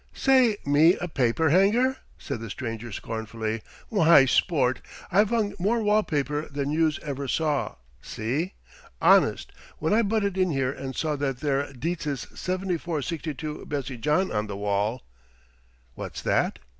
"Say, me a paper hanger?" said the stranger scornfully. "Why, sport, I've hung more wall paper than youse ever saw, see? Honest, when I butted in here and saw that there Dietz's 7462 Bessie John on the wall " "That what?"